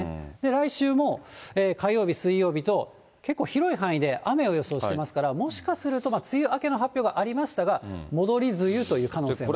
来週も、火曜日、水曜日と、結構、広い範囲で雨を予想してますから、もしかすると、梅雨明けの発表がありましたが、戻り梅雨という可能性も。